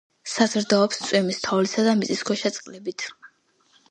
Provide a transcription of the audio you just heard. საზრდოობს წვიმის, თოვლისა და მიწისქვეშა წყლებით.